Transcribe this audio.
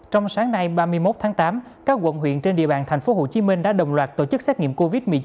trong sáng nay ba mươi một tháng tám các quận huyện trên địa bàn tp hcm đã đồng loạt tổ chức xét nghiệm covid một mươi chín